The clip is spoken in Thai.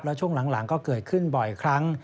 แล้วช่วงหลังก็เกิดขึ้นบ่อยครั้ง